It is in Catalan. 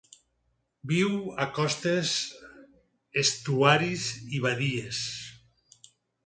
Viu a costes, estuaris i badies.